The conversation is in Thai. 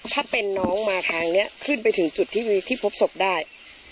ถ้าเป็นน้องมาทางนี้ขึ้นไปถึงจุดที่พบศพได้